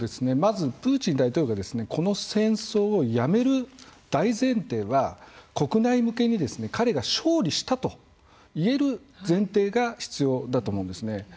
まずプーチン大統領がこの戦争をやめる大前提は国内向けに彼が勝利したと言える前提が必要だと思うんですね。